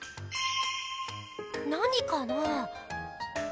何かなぁ？